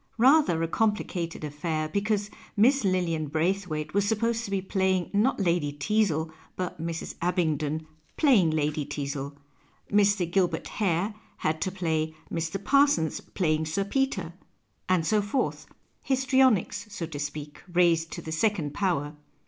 Rather a comphcated affair, because Miss LiHan Braithwaite was supposed to be playing not Lady Teazle but Mrs. Abington playing Lady Teazle, Mr. Gilbert Hare had to play Mr. Parsons playing Sir Peter, and so forth — histrionics, so to speak, raised to the second power.